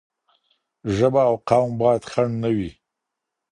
ژبه او قوم باید خنډ نه وي.